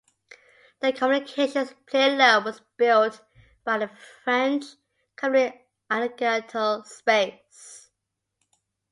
The communications payload was built by the French company Alcatel Space.